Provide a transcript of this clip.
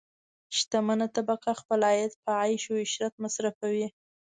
شتمنه طبقه خپل عاید په عیش او عشرت مصرفوي.